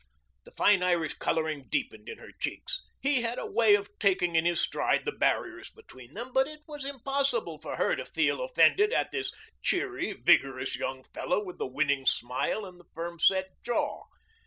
The fine Irish coloring deepened in her cheeks. He had a way of taking in his stride the barriers between them, but it was impossible for her to feel offended at this cheery, vigorous young fellow with the winning smile and the firm set jaw.